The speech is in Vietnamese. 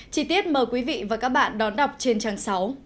chí tiết mời quý vị và các bạn đón đọc trên trang sáu